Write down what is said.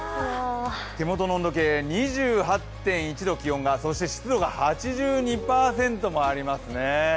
手元の温度計、気温が２８．１度そして湿度が８２％もありますね。